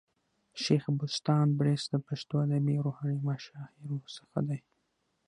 شېخ بُستان بړیڅ د پښتو ادبي او روحاني مشاهيرو څخه دئ.